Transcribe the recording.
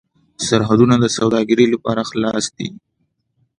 سرحدونه د سوداګرۍ لپاره خلاص دي.